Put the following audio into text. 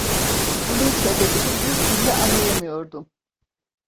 Bunun sebebini bir türlü anlayamıyordum.